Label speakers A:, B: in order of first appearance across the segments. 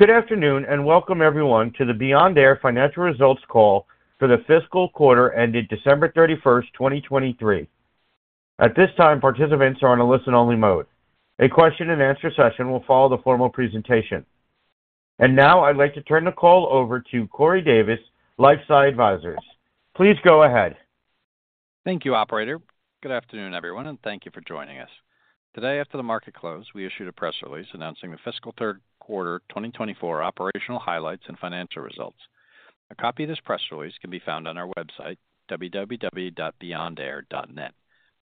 A: Good afternoon and welcome everyone to the Beyond Air Financial Results Call for the Fiscal Quarter ended December 31, 2023. At this time, participants are on a listen-only mode. A question-and-answer session will follow the formal presentation. And now I'd like to turn the call over to Corey Davis, LifeSci Advisors. Please go ahead.
B: Thank you, Operator. Good afternoon, everyone, and thank you for joining us. Today, after the market close, we issued a press release announcing the Fiscal Third Quarter 2024 Operational Highlights and Financial Results. A copy of this press release can be found on our website, www.beyondair.net,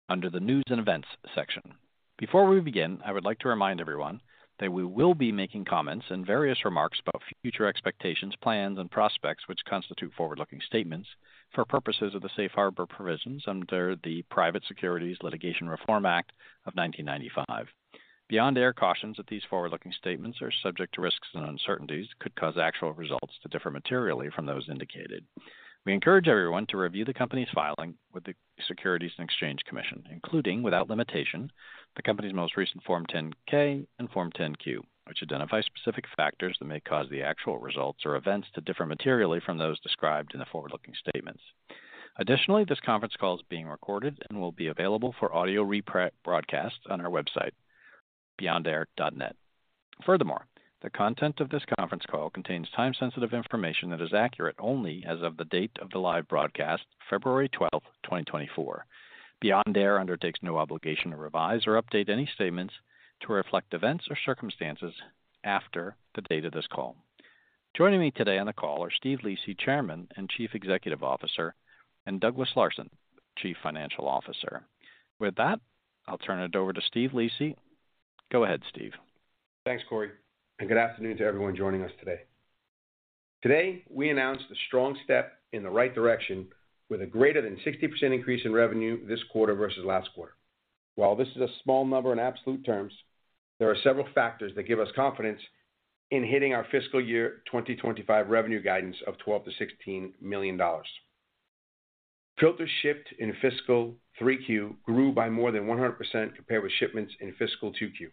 B: under the "News and Events" section. Before we begin, I would like to remind everyone that we will be making comments and various remarks about future expectations, plans, and prospects which constitute forward-looking statements for purposes of the Safe Harbor Provisions under the Private Securities Litigation Reform Act of 1995. Beyond Air cautions that these forward-looking statements are subject to risks and uncertainties that could cause actual results to differ materially from those indicated. We encourage everyone to review the company's filing with the Securities and Exchange Commission, including, without limitation, the company's most recent Form 10-K and Form 10-Q, which identify specific factors that may cause the actual results or events to differ materially from those described in the forward-looking statements. Additionally, this conference call is being recorded and will be available for audio rebroadcast on our website, beyondairinc.com. Furthermore, the content of this conference call contains time-sensitive information that is accurate only as of the date of the live broadcast, February 12, 2024. Beyond Air undertakes no obligation to revise or update any statements to reflect events or circumstances after the date of this call. Joining me today on the call are Steve Lisi, Chairman and Chief Executive Officer, and Douglas Larson, Chief Financial Officer. With that, I'll turn it over to Steve Lisi. Go ahead, Steve.
C: Thanks, Corey, and good afternoon to everyone joining us today. Today we announced a strong step in the right direction with a greater than 60% increase in revenue this quarter versus last quarter. While this is a small number in absolute terms, there are several factors that give us confidence in hitting our fiscal year 2025 revenue guidance of $12 million to $16 million. Filters shipped in fiscal 3Q grew by more than 100% compared with shipments in fiscal 2Q.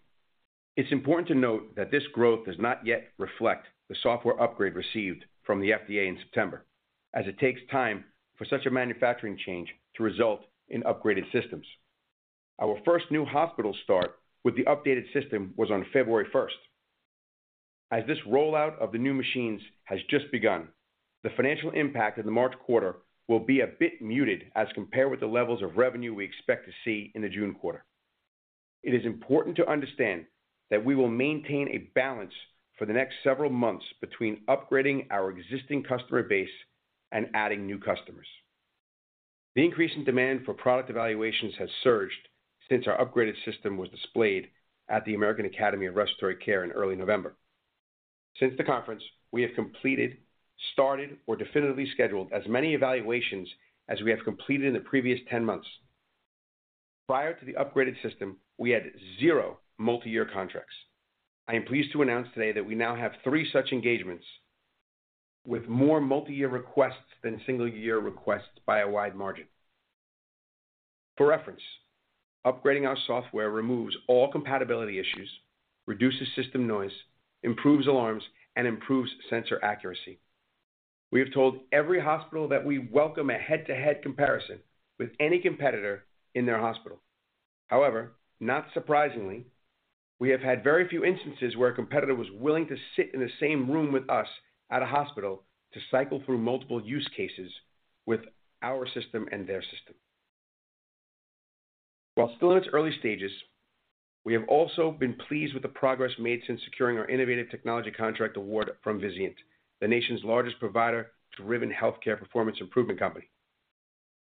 C: It's important to note that this growth does not yet reflect the software upgrade received from the FDA in September, as it takes time for such a manufacturing change to result in upgraded systems. Our first new hospital start with the updated system was on February 1. As this rollout of the new machines has just begun, the financial impact in the March quarter will be a bit muted as compared with the levels of revenue we expect to see in the June quarter. It is important to understand that we will maintain a balance for the next several months between upgrading our existing customer base and adding new customers. The increase in demand for product evaluations has surged since our upgraded system was displayed at the American Academy of Respiratory Care in early November. Since the conference, we have completed, started, or definitively scheduled as many evaluations as we have completed in the previous 10 months. Prior to the upgraded system, we had zero multi-year contracts. I am pleased to announce today that we now have three such engagements with more multi-year requests than single-year requests by a wide margin. For reference, upgrading our software removes all compatibility issues, reduces system noise, improves alarms, and improves sensor accuracy. We have told every hospital that we welcome a head-to-head comparison with any competitor in their hospital. However, not surprisingly, we have had very few instances where a competitor was willing to sit in the same room with us at a hospital to cycle through multiple use cases with our system and their system. While still in its early stages, we have also been pleased with the progress made since securing our Innovative Technology Contract Award from Vizient, the nation's largest provider-driven healthcare performance improvement company.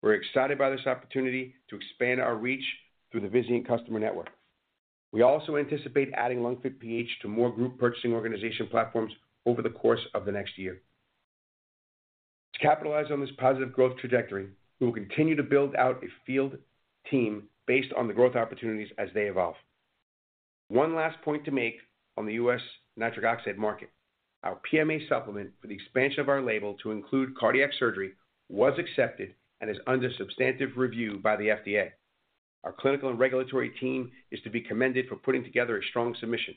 C: We're excited by this opportunity to expand our reach through the Vizient customer network. We also anticipate adding LungFit PH to more group purchasing organization platforms over the course of the next year. To capitalize on this positive growth trajectory, we will continue to build out a field team based on the growth opportunities as they evolve. One last point to make on the U.S. nitric oxide market: our PMA Supplement for the expansion of our label to include cardiac surgery was accepted and is under substantive review by the FDA. Our clinical and regulatory team is to be commended for putting together a strong submission.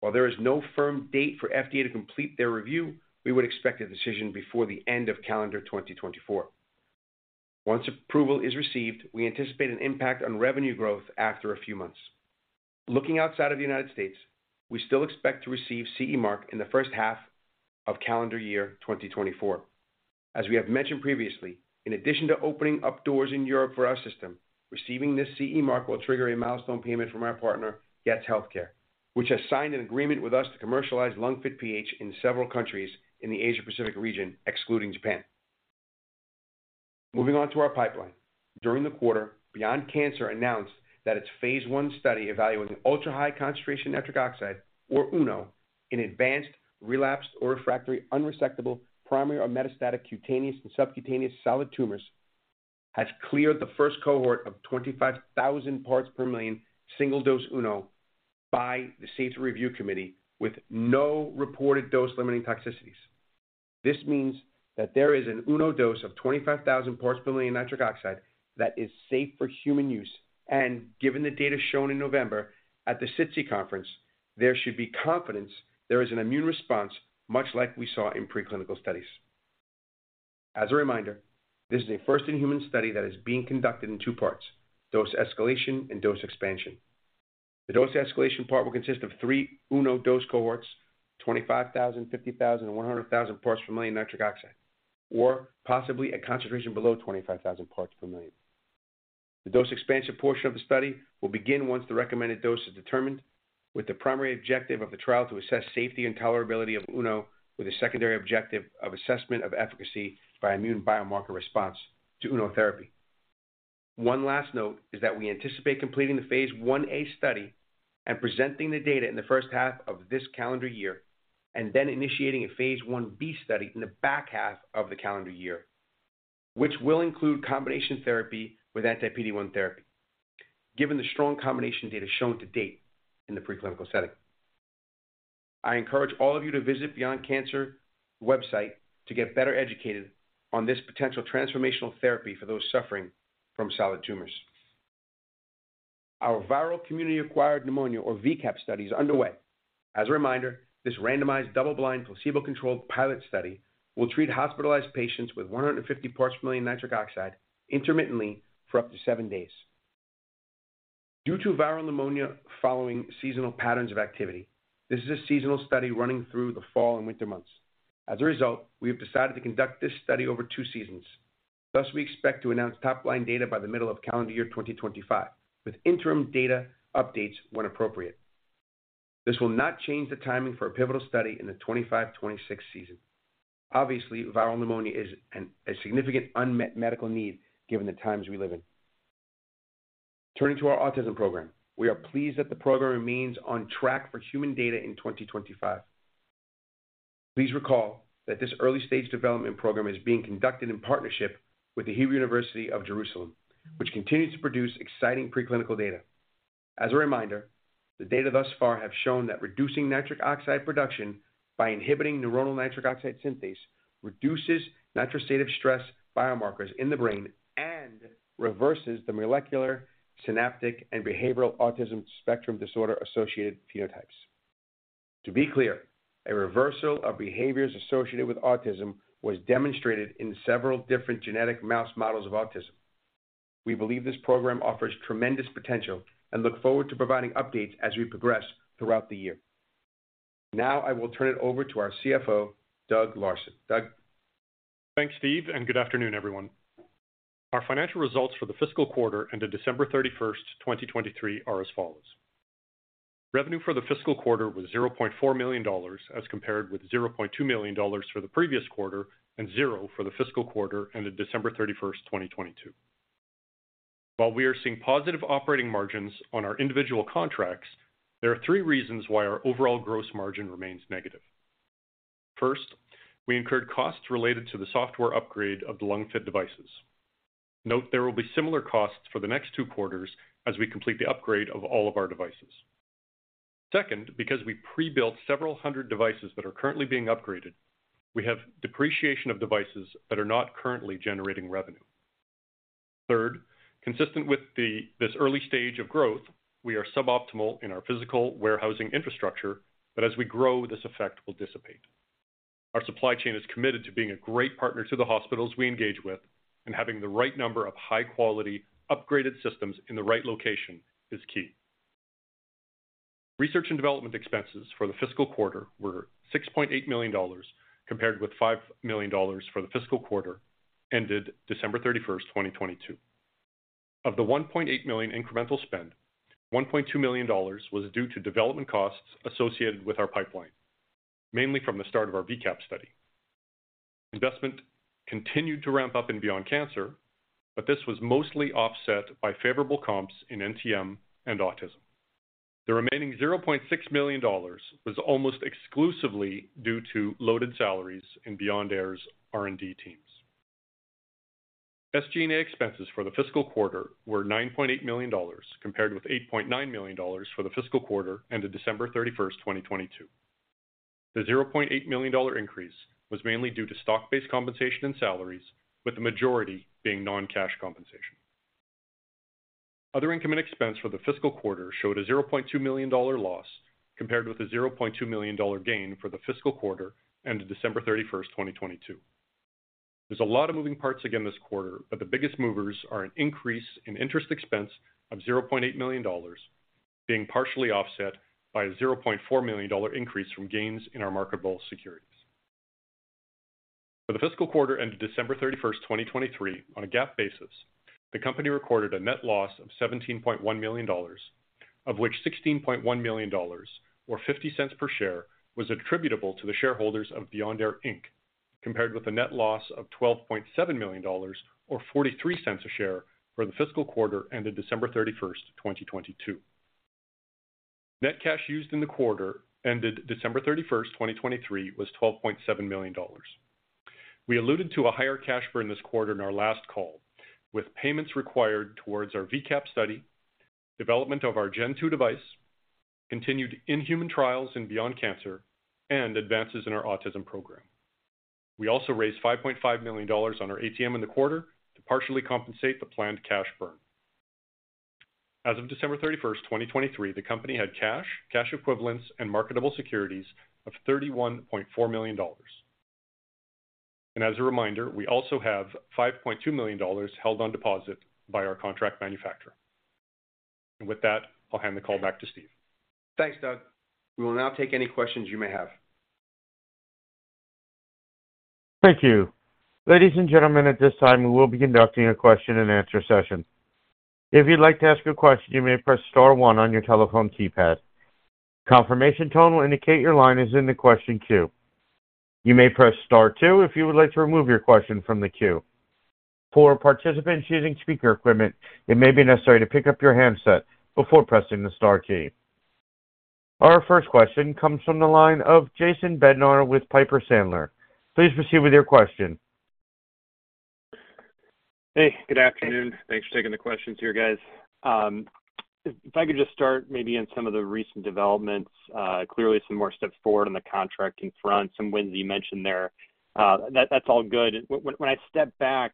C: While there is no firm date for FDA to complete their review, we would expect a decision before the end of calendar 2024. Once approval is received, we anticipate an impact on revenue growth after a few months. Looking outside of the United States, we still expect to receive CE Mark in the first half of calendar year 2024. As we have mentioned previously, in addition to opening up doors in Europe for our system, receiving this CE Mark will trigger a milestone payment from our partner, Getz Healthcare, which has signed an agreement with us to commercialize LungFit PH in several countries in the Asia-Pacific region, excluding Japan. Moving on to our pipeline. During the quarter, Beyond Cancer announced that its phase I study evaluating ultra-high concentration nitric oxide, or UNO, in advanced, relapsed, or refractory unresectable primary or metastatic cutaneous and subcutaneous solid tumors has cleared the first cohort of 25,000 parts per million single-dose UNO by the Safety Review Committee with no reported dose-limiting toxicities. This means that there is an UNO dose of 25,000 parts per million nitric oxide that is safe for human use, and given the data shown in November at the SITC conference, there should be confidence there is an immune response much like we saw in preclinical studies. As a reminder, this is a first-in-human study that is being conducted in two parts: dose escalation and dose expansion. The dose escalation part will consist of three UNO dose cohorts: 25,000, 50,000, and 100,000 parts per million nitric oxide, or possibly a concentration below 25,000 parts per million. The dose expansion portion of the study will begin once the recommended dose is determined, with the primary objective of the trial to assess safety and tolerability of UNO with a secondary objective of assessment of efficacy by immune biomarker response to UNO therapy. One last note is that we anticipate completing the phase 1a study and presenting the data in the first half of this calendar year and then initiating a phase 1b study in the back half of the calendar year, which will include combination therapy with anti-PD-1 therapy, given the strong combination data shown to date in the preclinical setting. I encourage all of you to visit Beyond Cancer's website to get better educated on this potential transformational therapy for those suffering from solid tumors. Our Viral Community-Acquired Pneumonia, or VCAP, study is underway. As a reminder, this randomized double-blind placebo-controlled pilot study will treat hospitalized patients with 150 parts per million nitric oxide intermittently for up to seven days. Due to viral pneumonia following seasonal patterns of activity, this is a seasonal study running through the fall and winter months. As a result, we have decided to conduct this study over two seasons. Thus, we expect to announce top-line data by the middle of calendar year 2025, with interim data updates when appropriate. This will not change the timing for a pivotal study in the 2025-2026 season. Obviously, viral pneumonia is a significant unmet medical need given the times we live in. Turning to our autism program, we are pleased that the program remains on track for human data in 2025. Please recall that this early-stage development program is being conducted in partnership with The Hebrew University of Jerusalem, which continues to produce exciting preclinical data. As a reminder, the data thus far have shown that reducing nitric oxide production by inhibiting neuronal nitric oxide synthase reduces nitrosative stress biomarkers in the brain and reverses the molecular, synaptic, and behavioral autism spectrum disorder-associated phenotypes. To be clear, a reversal of behaviors associated with autism was demonstrated in several different genetic mouse models of autism. We believe this program offers tremendous potential and look forward to providing updates as we progress throughout the year. Now I will turn it over to our CFO, Doug Larson. Doug.
D: Thanks, Steve, and good afternoon, everyone. Our financial results for the fiscal quarter ended December 31, 2023, are as follows. Revenue for the fiscal quarter was $0.4 million as compared with $0.2 million for the previous quarter and $0 for the fiscal quarter ended December 31, 2022. While we are seeing positive operating margins on our individual contracts, there are three reasons why our overall gross margin remains negative. First, we incurred costs related to the software upgrade of the LungFit devices. Note there will be similar costs for the next two quarters as we complete the upgrade of all of our devices. Second, because we pre-built several hundred devices that are currently being upgraded, we have depreciation of devices that are not currently generating revenue. Third, consistent with this early stage of growth, we are suboptimal in our physical warehousing infrastructure, but as we grow, this effect will dissipate. Our supply chain is committed to being a great partner to the hospitals we engage with, and having the right number of high-quality, upgraded systems in the right location is key. Research and development expenses for the fiscal quarter were $6.8 million compared with $5 million for the fiscal quarter ended December 31, 2022. Of the $1.8 million incremental spend, $1.2 million was due to development costs associated with our pipeline, mainly from the start of our VCAP study. Investment continued to ramp up in Beyond Cancer, but this was mostly offset by favorable comps in NTM and autism. The remaining $0.6 million was almost exclusively due to loaded salaries in Beyond Air's R&D teams. SG&A expenses for the fiscal quarter were $9.8 million compared with $8.9 million for the fiscal quarter ended December 31, 2022. The $0.8 million increase was mainly due to stock-based compensation in salaries, with the majority being non-cash compensation. Other income and expense for the fiscal quarter showed a $0.2 million loss compared with a $0.2 million gain for the fiscal quarter ended December 31, 2022. There's a lot of moving parts again this quarter, but the biggest movers are an increase in interest expense of $0.8 million, being partially offset by a $0.4 million increase from gains in our marketable securities. For the fiscal quarter ended December 31, 2023, on a GAAP basis, the company recorded a net loss of $17.1 million, of which $16.1 million, or $0.50 per share, was attributable to the shareholders of Beyond Air, Inc., compared with a net loss of $12.7 million, or $0.43 a share, for the fiscal quarter ended December 31, 2022. Net cash used in the quarter ended December 31, 2023, was $12.7 million. We alluded to a higher cash burn this quarter in our last call, with payments required towards our VCAP study, development of our Gen2 device, continued in-human trials in Beyond Cancer, and advances in our autism program. We also raised $5.5 million on our ATM in the quarter to partially compensate the planned cash burn. As of December 31, 2023, the company had cash, cash equivalents, and marketable securities of $31.4 million. As a reminder, we also have $5.2 million held on deposit by our contract manufacturer. With that, I'll hand the call back to Steve.
C: Thanks, Doug. We will now take any questions you may have.
A: Thank you. Ladies and gentlemen, at this time, we will be conducting a question-and-answer session. If you'd like to ask a question, you may press star one on your telephone keypad. Confirmation tone will indicate your line is in the question queue. You may press star two if you would like to remove your question from the queue. For participants using speaker equipment, it may be necessary to pick up your handset before pressing the star key. Our first question comes from the line of Jason Bednar with Piper Sandler. Please proceed with your question.
E: Hey, good afternoon. Thanks for taking the questions here, guys. If I could just start maybe in some of the recent developments, clearly some more steps forward on the contracting front, some wins that you mentioned there, that's all good. When I step back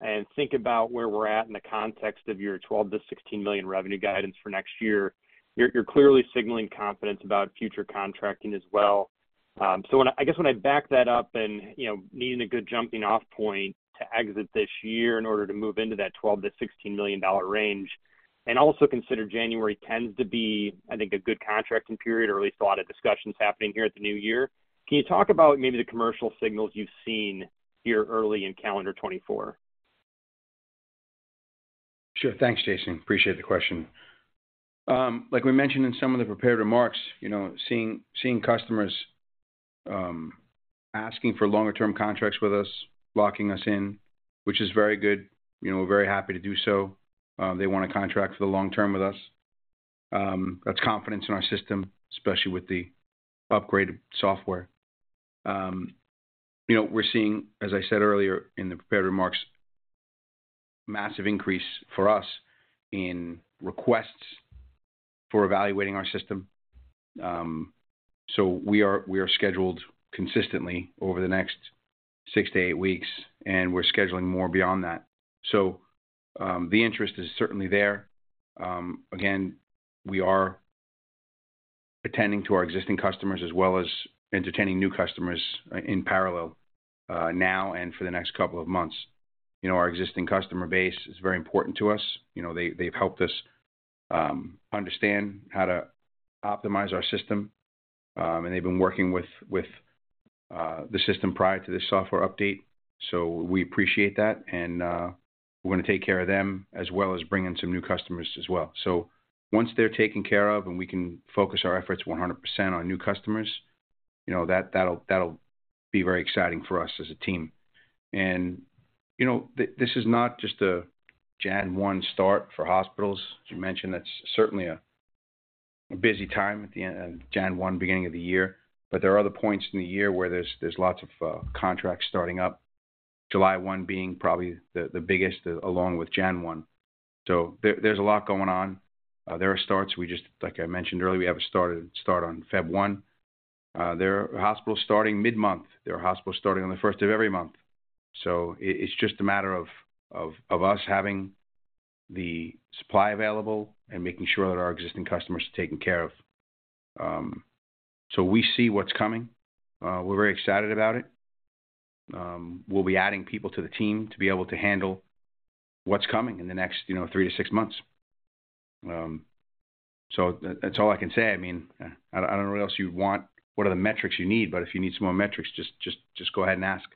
E: and think about where we're at in the context of your $12 million to $16 million revenue guidance for next year, you're clearly signaling confidence about future contracting as well. So I guess when I back that up and needing a good jumping-off point to exit this year in order to move into that $12 million to $16 million range and also consider January tends to be, I think, a good contracting period or at least a lot of discussions happening here at the new year, can you talk about maybe the commercial signals you've seen here early in calendar 2024?
C: Sure. Thanks, Jason. Appreciate the question. Like we mentioned in some of the prepared remarks, seeing customers asking for longer-term contracts with us, locking us in, which is very good. We're very happy to do so. They want to contract for the long term with us. That's confidence in our system, especially with the upgraded software. We're seeing, as I said earlier in the prepared remarks, massive increase for us in requests for evaluating our system. So we are scheduled consistently over the next 6-8 weeks, and we're scheduling more beyond that. So the interest is certainly there. Again, we are attending to our existing customers as well as entertaining new customers in parallel now and for the next couple of months. Our existing customer base is very important to us. They've helped us understand how to optimize our system, and they've been working with the system prior to this software update. So we appreciate that, and we're going to take care of them as well as bring in some new customers as well. So once they're taken care of and we can focus our efforts 100% on new customers, that'll be very exciting for us as a team. And this is not just a January 1 start for hospitals. As you mentioned, that's certainly a busy time at the end of January 1, beginning of the year. But there are other points in the year where there's lots of contracts starting up, July 1 being probably the biggest along with January 1. So there's a lot going on. There are starts. Like I mentioned earlier, we have a start on February 1. There are hospitals starting mid-month. There are hospitals starting on the first of every month. So it's just a matter of us having the supply available and making sure that our existing customers are taken care of. So we see what's coming. We're very excited about it. We'll be adding people to the team to be able to handle what's coming in the next 3 to 6 months. So that's all I can say. I mean, I don't know what else you'd want, what are the metrics you need, but if you need some more metrics, just go ahead and ask.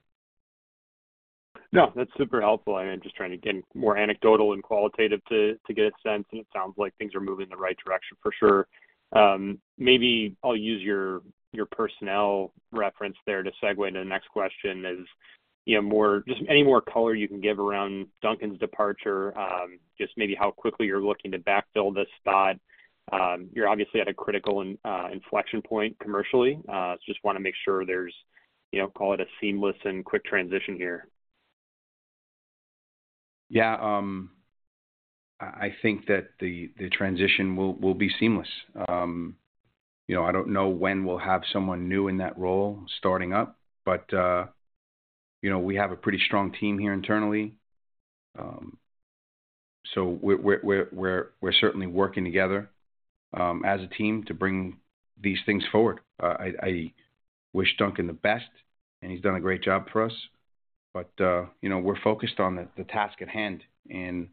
E: No, that's super helpful. I mean, just trying to get more anecdotal and qualitative to get a sense, and it sounds like things are moving in the right direction for sure. Maybe I'll use your personnel reference there to segue into the next question is just any more color you can give around Duncan's departure, just maybe how quickly you're looking to backfill this spot. You're obviously at a critical inflection point commercially. Just want to make sure there's, call it, a seamless and quick transition here.
C: Yeah. I think that the transition will be seamless. I don't know when we'll have someone new in that role starting up, but we have a pretty strong team here internally. So we're certainly working together as a team to bring these things forward. I wish Duncan the best, and he's done a great job for us. But we're focused on the task at hand. And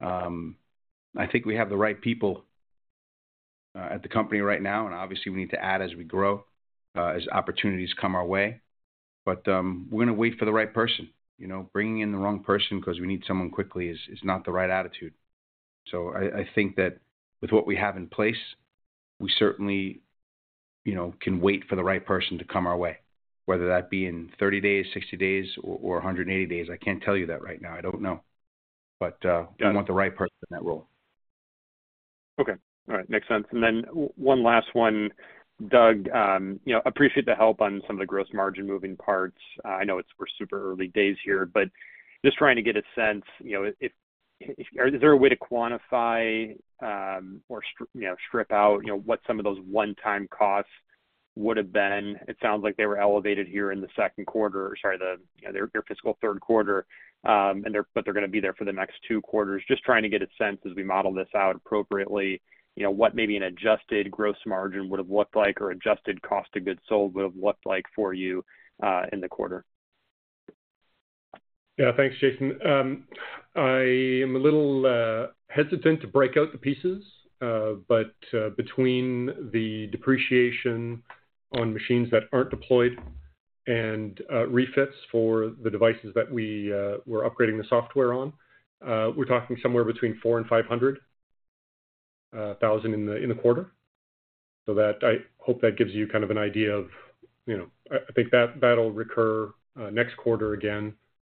C: I think we have the right people at the company right now, and obviously, we need to add as we grow, as opportunities come our way. But we're going to wait for the right person. Bringing in the wrong person because we need someone quickly is not the right attitude. So I think that with what we have in place, we certainly can wait for the right person to come our way, whether that be in 30 days, 60 days, or 180 days. I can't tell you that right now. I don't know. But we want the right person in that role.
E: Okay. All right. Makes sense. And then one last one, Doug. Appreciate the help on some of the gross margin moving parts. I know we're super early days here, but just trying to get a sense, is there a way to quantify or strip out what some of those one-time costs would have been? It sounds like they were elevated here in the second quarter or, sorry, their fiscal third quarter, but they're going to be there for the next two quarters. Just trying to get a sense as we model this out appropriately, what maybe an adjusted gross margin would have looked like or adjusted cost of goods sold would have looked like for you in the quarter.
D: Yeah. Thanks, Jason. I am a little hesitant to break out the pieces, but between the depreciation on machines that aren't deployed and refits for the devices that we were upgrading the software on, we're talking somewhere between $400,000 and $500,000 in the quarter. So I hope that gives you kind of an idea of I think that that'll recur next quarter again.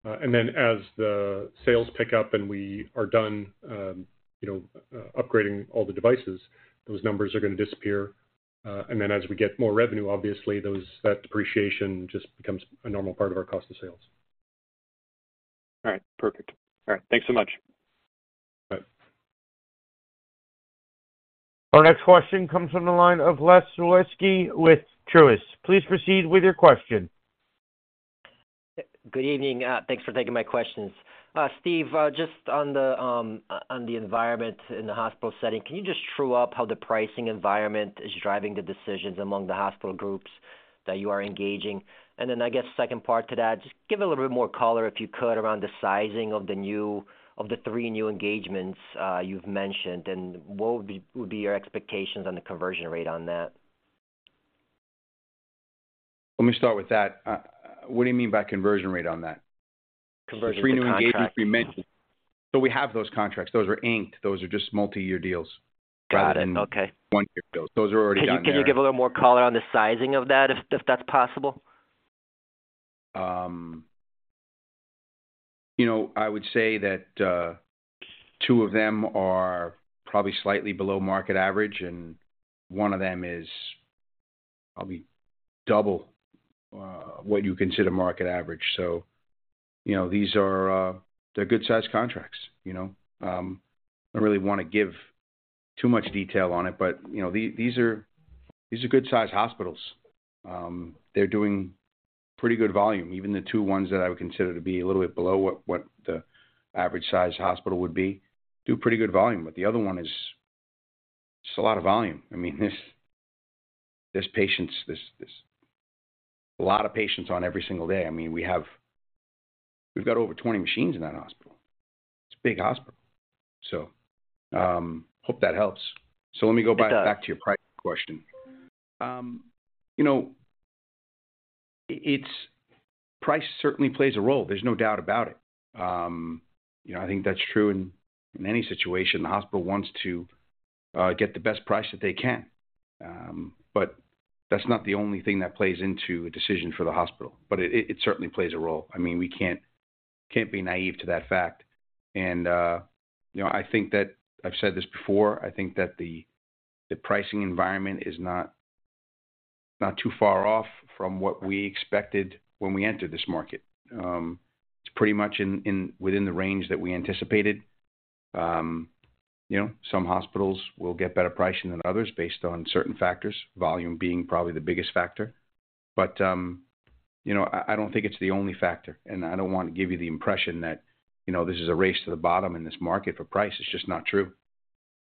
D: And then as the sales pick up and we are done upgrading all the devices, those numbers are going to disappear. And then as we get more revenue, obviously, that depreciation just becomes a normal part of our cost of sales.
E: All right. Perfect. All right. Thanks so much.
D: All right.
A: Our next question comes from the line of Les Sulewski with Truist. Please proceed with your question.
F: Good evening. Thanks for taking my questions. Steve, just on the environment in the hospital setting, can you just true up how the pricing environment is driving the decisions among the hospital groups that you are engaging? And then I guess second part to that, just give a little bit more color if you could around the sizing of the three new engagements you've mentioned, and what would be your expectations on the conversion rate on that?
C: Let me start with that. What do you mean by conversion rate on that?
F: Conversion rate.
C: The three new engagements we mentioned. So we have those contracts. Those are inked. Those are just multi-year deals.
F: Got it. Okay.
C: 1-year deals. Those are already done there.
F: Can you give a little more color on the sizing of that if that's possible?
C: I would say that two of them are probably slightly below market average, and one of them is probably double what you consider market average. So these are good-sized contracts. I don't really want to give too much detail on it, but these are good-sized hospitals. They're doing pretty good volume. Even the two ones that I would consider to be a little bit below what the average-sized hospital would be do pretty good volume. But the other one is just a lot of volume. I mean, there's a lot of patients on every single day. I mean, we've got over 20 machines in that hospital. It's a big hospital. So hope that helps.
F: It does.
C: So let me go back to your pricing question. Price certainly plays a role. There's no doubt about it. I think that's true in any situation. The hospital wants to get the best price that they can. But that's not the only thing that plays into a decision for the hospital. But it certainly plays a role. I mean, we can't be naive to that fact. And I think that I've said this before. I think that the pricing environment is not too far off from what we expected when we entered this market. It's pretty much within the range that we anticipated. Some hospitals will get better pricing than others based on certain factors, volume being probably the biggest factor. But I don't think it's the only factor. And I don't want to give you the impression that this is a race to the bottom in this market for price. It's just not true.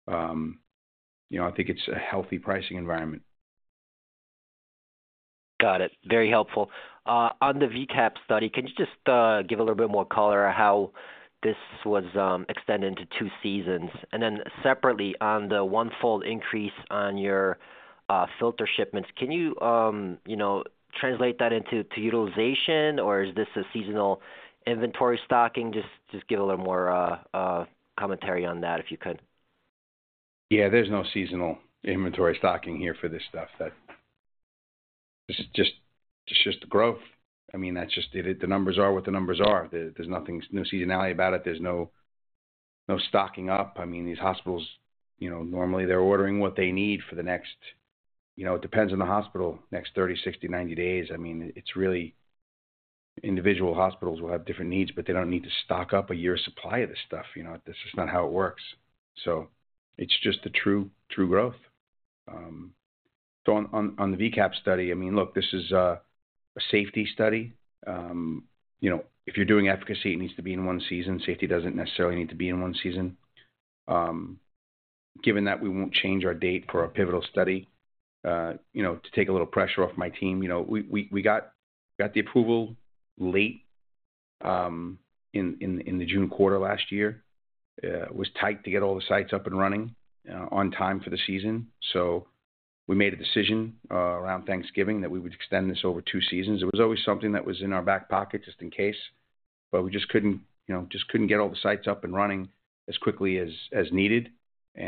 C: I think it's a healthy pricing environment.
F: Got it. Very helpful. On the VCAP study, can you just give a little bit more color on how this was extended into two seasons? And then separately, on the one-fold increase on your filter shipments, can you translate that into utilization, or is this a seasonal inventory stocking? Just give a little more commentary on that if you could.
C: Yeah. There's no seasonal inventory stocking here for this stuff. It's just the growth. I mean, the numbers are what the numbers are. There's nothing new seasonally about it. There's no stocking up. I mean, these hospitals, normally, they're ordering what they need for the next, it depends on the hospital, next 30, 60, 90 days. I mean, it's really individual hospitals will have different needs, but they don't need to stock up a year's supply of this stuff. This is not how it works. So it's just the true growth. So on the VCAP study, I mean, look, this is a safety study. If you're doing efficacy, it needs to be in one season. Safety doesn't necessarily need to be in one season. Given that we won't change our date for a pivotal study to take a little pressure off my team, we got the approval late in the June quarter last year. It was tight to get all the sites up and running on time for the season. We made a decision around Thanksgiving that we would extend this over two seasons. It was always something that was in our back pocket just in case, but we just couldn't get all the sites up and running as quickly as needed.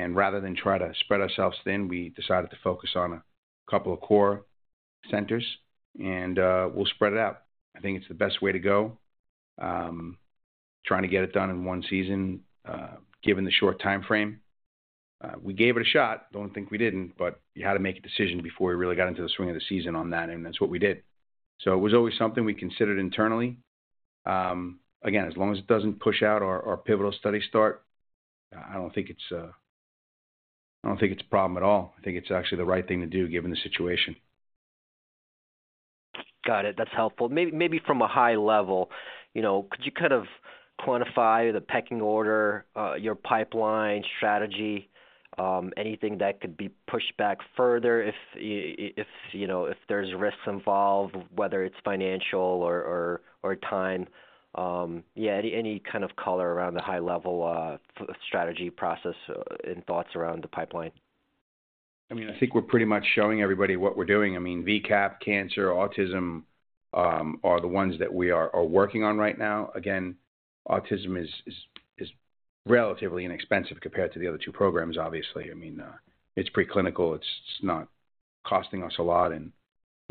C: Rather than try to spread ourselves thin, we decided to focus on a couple of core centers, and we'll spread it out. I think it's the best way to go, trying to get it done in one season given the short timeframe. We gave it a shot. Don't think we didn't, but you had to make a decision before we really got into the swing of the season on that, and that's what we did. So it was always something we considered internally. Again, as long as it doesn't push out our pivotal study start, I don't think it's a problem at all. I think it's actually the right thing to do given the situation.
F: Got it. That's helpful. Maybe from a high level, could you kind of quantify the pecking order, your pipeline, strategy, anything that could be pushed back further if there's risks involved, whether it's financial or time? Yeah, any kind of color around the high-level strategy process and thoughts around the pipeline.
C: I mean, I think we're pretty much showing everybody what we're doing. I mean, VCAP, cancer, autism are the ones that we are working on right now. Again, autism is relatively inexpensive compared to the other two programs, obviously. I mean, it's preclinical. It's not costing us a lot. And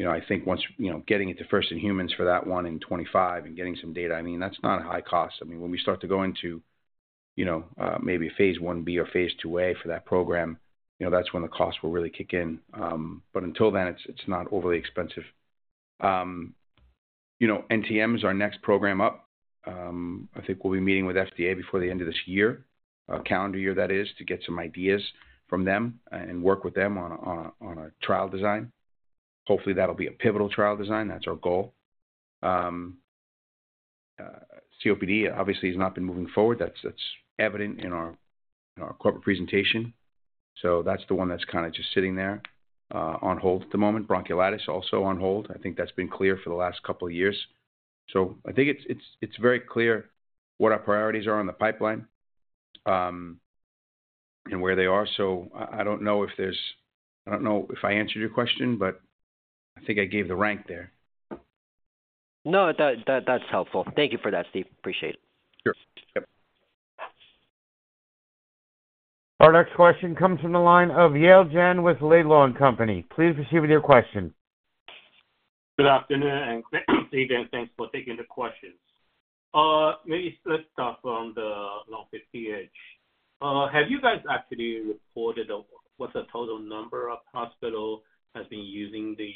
C: I think once getting it to first in humans for that one in 2025 and getting some data, I mean, that's not a high cost. I mean, when we start to go into maybe a phase 1b or phase 2a for that program, that's when the costs will really kick in. But until then, it's not overly expensive. NTM is our next program up. I think we'll be meeting with FDA before the end of this year, calendar year that is, to get some ideas from them and work with them on a trial design. Hopefully, that'll be a pivotal trial design. That's our goal. COPD, obviously, has not been moving forward. That's evident in our corporate presentation. So that's the one that's kind of just sitting there on hold at the moment. Bronchiolitis, also on hold. I think that's been clear for the last couple of years. So I think it's very clear what our priorities are on the pipeline and where they are. So I don't know if I answered your question, but I think I gave the rank there.
F: No, that's helpful. Thank you for that, Steve. Appreciate it.
C: Sure. Yep.
A: Our next question comes from the line of Yale Jen with Laidlaw & Company. Please proceed with your question.
G: Good afternoon and good evening. Thanks for taking the questions. Maybe let's start from the LungFit PH. Have you guys actually reported what's the total number of hospitals that have been using the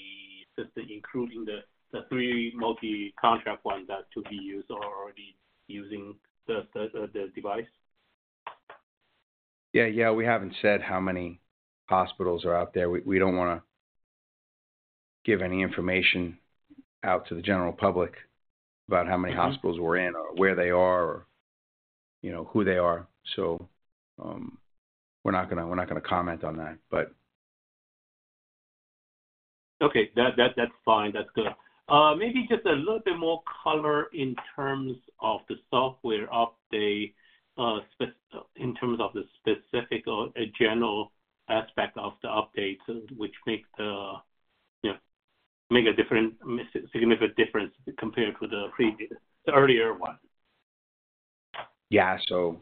G: system, including the three multi-contract ones that are to be used or already using the device?
C: Yeah. Yeah. We haven't said how many hospitals are out there. We don't want to give any information out to the general public about how many hospitals we're in or where they are or who they are. So we're not going to comment on that, but.
G: Okay. That's fine. That's good. Maybe just a little bit more color in terms of the software update in terms of the specific or general aspect of the updates, which make a significant difference compared to the earlier one.
C: Yeah. So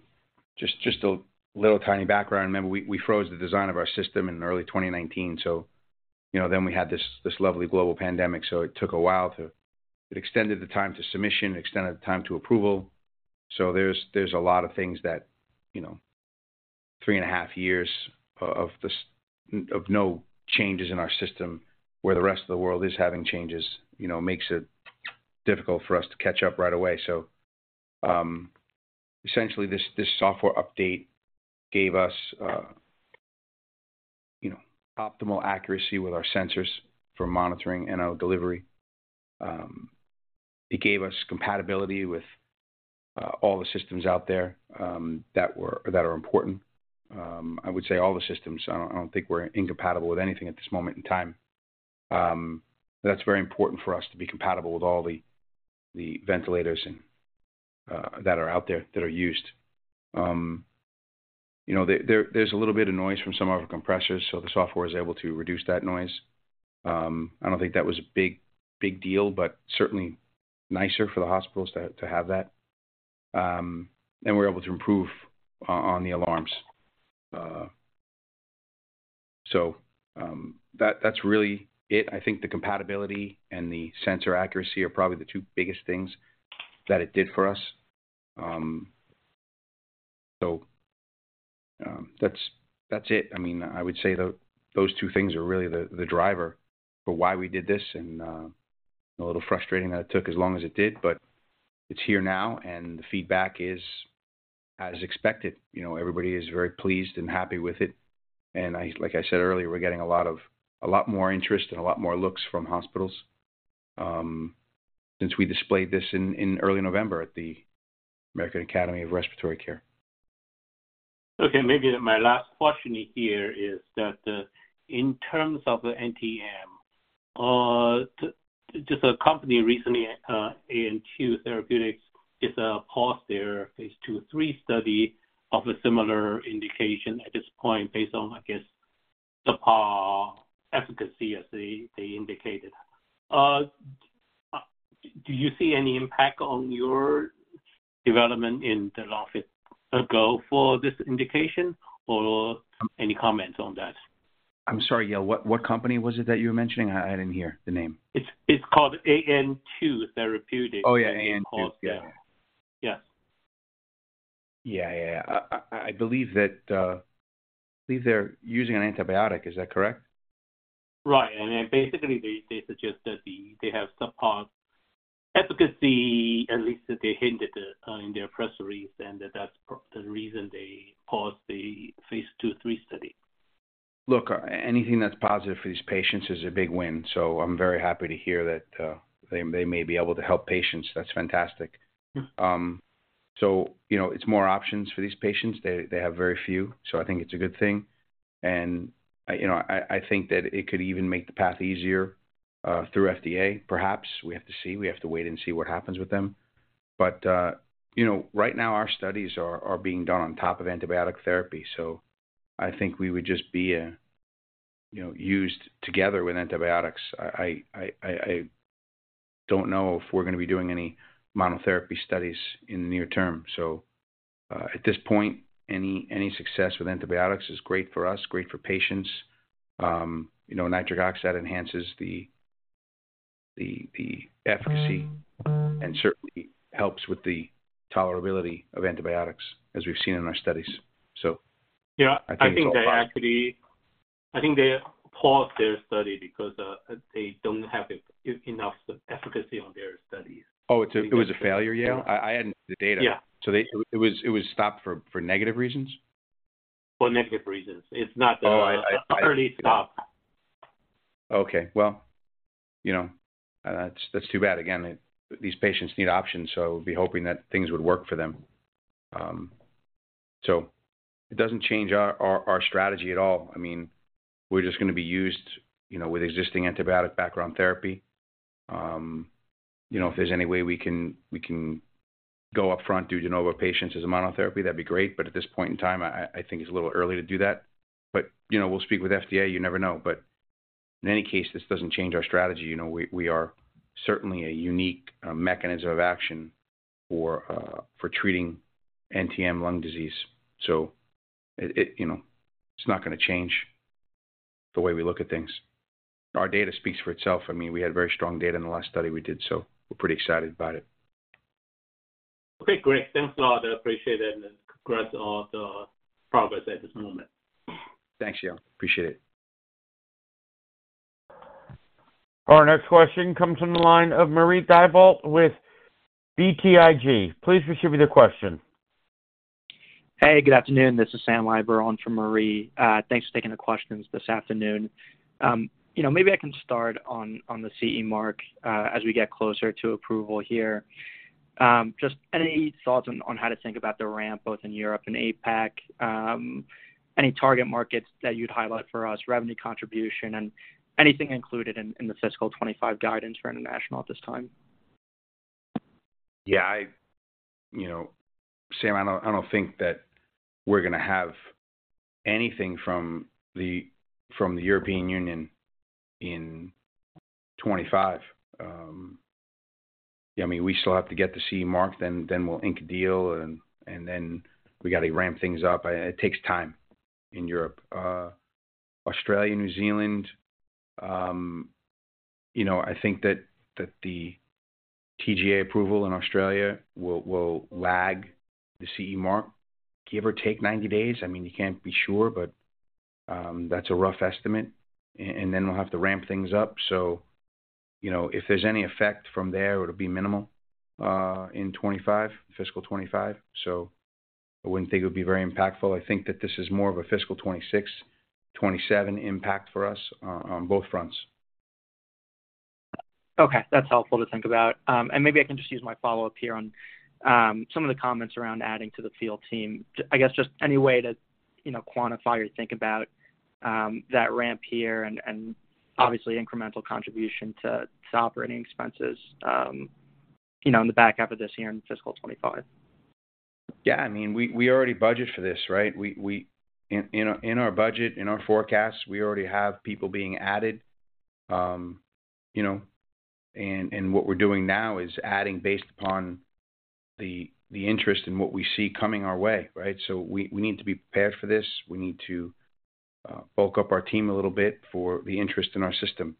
C: just a little tiny background. Remember, we froze the design of our system in early 2019. So then we had this lovely global pandemic, so it took a while, it extended the time to submission. It extended the time to approval. So there's a lot of things that three and a half years of no changes in our system where the rest of the world is having changes makes it difficult for us to catch up right away. So essentially, this software update gave us optimal accuracy with our sensors for monitoring and our delivery. It gave us compatibility with all the systems out there that are important. I would say all the systems. I don't think we're incompatible with anything at this moment in time. That's very important for us to be compatible with all the ventilators that are out there that are used. There's a little bit of noise from some of our compressors, so the software is able to reduce that noise. I don't think that was a big deal, but certainly nicer for the hospitals to have that. We're able to improve on the alarms. That's really it. I think the compatibility and the sensor accuracy are probably the two biggest things that it did for us. That's it. I mean, I would say those two things are really the driver for why we did this. A little frustrating that it took as long as it did. It's here now, and the feedback is as expected. Everybody is very pleased and happy with it. Like I said earlier, we're getting a lot more interest and a lot more looks from hospitals since we displayed this in early November at the American Academy of Respiratory Care.
G: Okay. Maybe my last question here is that in terms of the NTM, just a company recently, AN2 Therapeutics, just paused their phase 2/3 study of a similar indication at this point based on, I guess, the efficacy as they indicated. Do you see any impact on your development in the LungFit platform for this indication, or any comments on that?
C: I'm sorry, Yale. What company was it that you were mentioning? I didn't hear the name.
G: It's called AN2 Therapeutics.
C: Oh, yeah. AN2.
G: Yes.
C: Yeah. Yeah. Yeah. I believe they're using an antibiotic. Is that correct?
G: Right. And basically, they suggest that they have subpar efficacy. At least they hinted in their press release, and that's the reason they paused the phase 2/3 study.
C: Look, anything that's positive for these patients is a big win. So I'm very happy to hear that they may be able to help patients. That's fantastic. So it's more options for these patients. They have very few, so I think it's a good thing. And I think that it could even make the path easier through FDA, perhaps. We have to see. We have to wait and see what happens with them. But right now, our studies are being done on top of antibiotic therapy. So I think we would just be used together with antibiotics. I don't know if we're going to be doing any monotherapy studies in the near term. So at this point, any success with antibiotics is great for us, great for patients. Nitric oxide enhances the efficacy and certainly helps with the tolerability of antibiotics as we've seen in our studies. So
G: Yeah I think they actually, I think they paused their study because they don't have enough efficacy on their studies.
C: Oh, it was a failure, Yale? I hadn't seen the data.
G: Yeah.
C: So it was stopped for negative reasons?
G: For negative reasons. It's not that it was early stopped.
C: Okay. Well, that's too bad. Again, these patients need options, so I would be hoping that things would work for them. So it doesn't change our strategy at all. I mean, we're just going to be used with existing antibiotic background therapy. If there's any way we can go upfront do de novo patients as a monotherapy, that'd be great. But at this point in time, I think it's a little early to do that. But we'll speak with FDA. You never know. But in any case, this doesn't change our strategy. We are certainly a unique mechanism of action for treating NTM lung disease. So it's not going to change the way we look at things. Our data speaks for itself. I mean, we had very strong data in the last study we did, so we're pretty excited about it.
G: Okay. Great. Thanks a lot. I appreciate it and congrats on the progress at this moment.
C: Thanks, Yale. Appreciate it.
A: Our next question comes from the line of Marie Thibault with BTIG. Please proceed with your question.
H: Hey, good afternoon. This is Sam Eiber. I'm from BTIG. Thanks for taking the questions this afternoon. Maybe I can start on the CE Mark as we get closer to approval here. Just any thoughts on how to think about the ramp both in Europe and APAC? Any target markets that you'd highlight for us, revenue contribution, and anything included in the fiscal 2025 guidance for international at this time?
C: Yeah. Sam, I don't think that we're going to have anything from the European Union in 2025. I mean, we still have to get the CE mark. Then we'll ink a deal, and then we got to ramp things up. It takes time in Europe. Australia, New Zealand, I think that the TGA approval in Australia will lag the CE mark, give or take 90 days. I mean, you can't be sure, but that's a rough estimate. And then we'll have to ramp things up. So if there's any effect from there, it'll be minimal in 2025, fiscal 2025. So I wouldn't think it would be very impactful. I think that this is more of a fiscal 2026, 2027 impact for us on both fronts.
H: Okay. That's helpful to think about. Maybe I can just use my follow-up here on some of the comments around adding to the field team. I guess just any way to quantify or think about that ramp here and obviously incremental contribution to operating expenses in the back half of this year in fiscal 2025.
C: Yeah. I mean, we already budget for this, right? In our budget, in our forecasts, we already have people being added. What we're doing now is adding based upon the interest and what we see coming our way, right? So we need to be prepared for this. We need to bulk up our team a little bit for the interest in our system.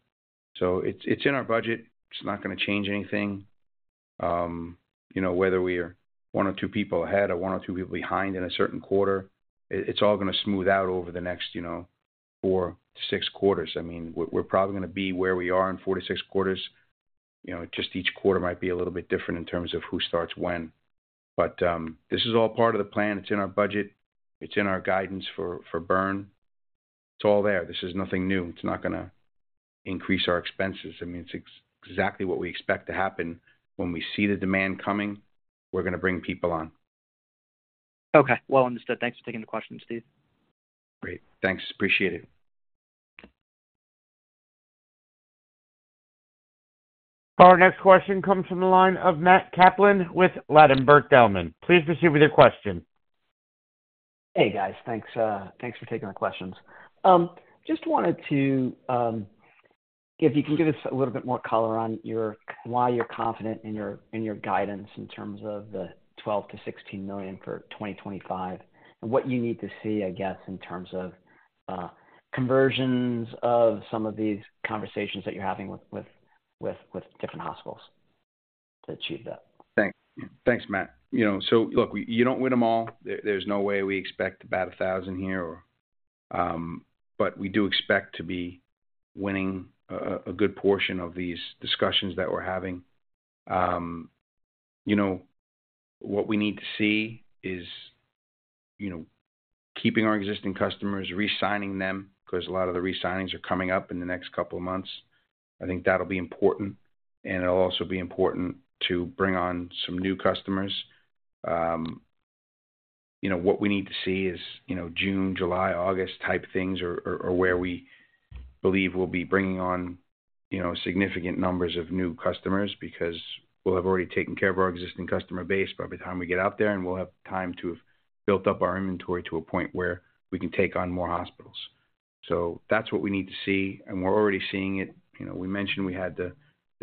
C: So it's in our budget. It's not going to change anything. Whether we are one or two people ahead or one or two people behind in a certain quarter, it's all going to smooth out over the next four to six quarters. I mean, we're probably going to be where we are in four to six quarters. Just each quarter might be a little bit different in terms of who starts when. But this is all part of the plan. It's in our budget. It's in our guidance for burn. It's all there. This is nothing new. It's not going to increase our expenses. I mean, it's exactly what we expect to happen. When we see the demand coming, we're going to bring people on.
H: Okay. Well understood. Thanks for taking the question, Steve.
C: Great. Thanks. Appreciate it.
A: Our next question comes from the line of Matt Kaplan with Ladenburg Thalmann. Please proceed with your question.
I: Hey, guys. Thanks for taking the questions. Just wanted to know if you can give us a little bit more color on why you're confident in your guidance in terms of the $12 million-$16 million for 2025 and what you need to see, I guess, in terms of conversions of some of these conversations that you're having with different hospitals to achieve that.
C: Thanks, Matt. So look, you don't win them all. There's no way we expect about 1,000 here, but we do expect to be winning a good portion of these discussions that we're having. What we need to see is keeping our existing customers, re-signing them because a lot of the re-signings are coming up in the next couple of months. I think that'll be important, and it'll also be important to bring on some new customers. What we need to see is June, July, August type things or where we believe we'll be bringing on significant numbers of new customers because we'll have already taken care of our existing customer base by the time we get out there, and we'll have time to have built up our inventory to a point where we can take on more hospitals. So that's what we need to see, and we're already seeing it. We mentioned we had the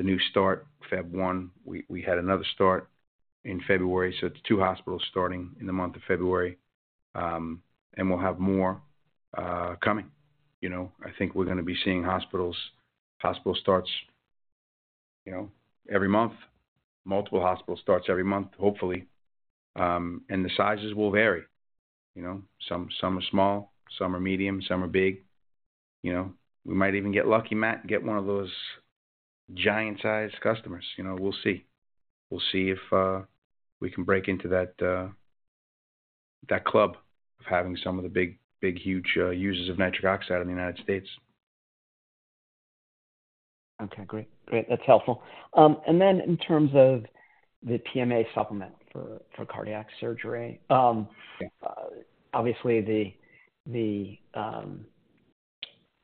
C: new start, February 1. We had another start in February. So it's two hospitals starting in the month of February, and we'll have more coming. I think we're going to be seeing hospital starts every month, multiple hospital starts every month, hopefully. And the sizes will vary. Some are small, some are medium, some are big. We might even get lucky, Matt, and get one of those giant-sized customers. We'll see. We'll see if we can break into that club of having some of the big, huge users of nitric oxide in the United States.
I: Okay. Great. Great. That's helpful. And then in terms of the PMA Supplement for cardiac surgery, obviously, the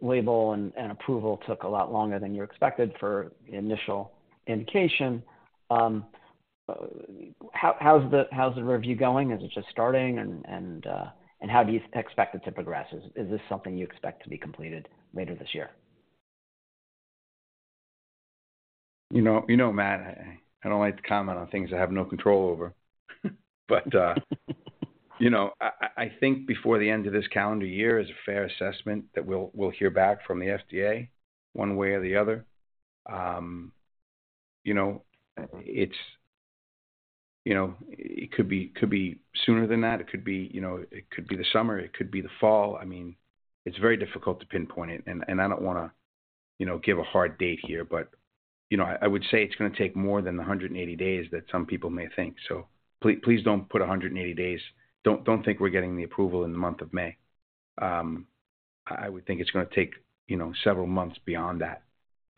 I: label and approval took a lot longer than you expected for the initial indication. How's the review going? Is it just starting, and how do you expect it to progress? Is this something you expect to be completed later this year?
C: You know, Matt, I don't like to comment on things I have no control over. But I think before the end of this calendar year is a fair assessment that we'll hear back from the FDA one way or the other. It could be sooner than that. It could be the summer. It could be the fall. I mean, it's very difficult to pinpoint it, and I don't want to give a hard date here. But I would say it's going to take more than the 180 days that some people may think. So please don't put 180 days. Don't think we're getting the approval in the month of May. I would think it's going to take several months beyond that.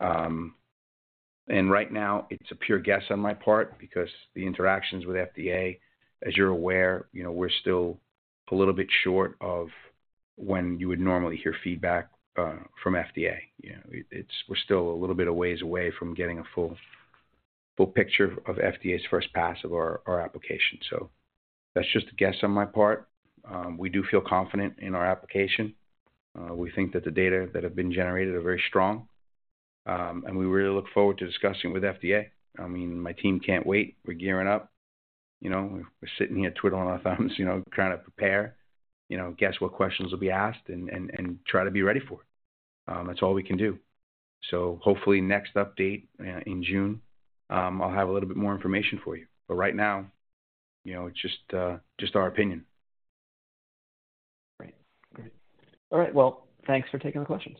C: Right now, it's a pure guess on my part because the interactions with FDA, as you're aware, we're still a little bit short of when you would normally hear feedback from FDA. We're still a little bit of ways away from getting a full picture of FDA's first pass of our application. So that's just a guess on my part. We do feel confident in our application. We think that the data that have been generated are very strong, and we really look forward to discussing it with FDA. I mean, my team can't wait. We're gearing up. We're sitting here twiddling our thumbs, trying to prepare, guess what questions will be asked, and try to be ready for it. That's all we can do. So hopefully, next update in June, I'll have a little bit more information for you. But right now, it's just our opinion.
I: Great. Great. All right. Well, thanks for taking the questions.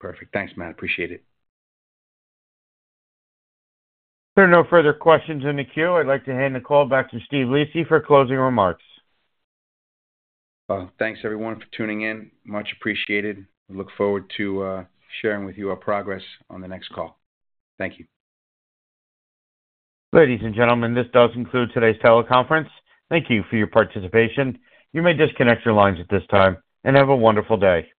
C: Perfect. Thanks, Matt. Appreciate it.
A: There are no further questions in the queue. I'd like to hand the call back to Steve Lisi for closing remarks.
C: Well, thanks, everyone, for tuning in. Much appreciated. Look forward to sharing with you our progress on the next call. Thank you.
A: Ladies and gentlemen, this does conclude today's teleconference. Thank you for your participation. You may disconnect your lines at this time and have a wonderful day.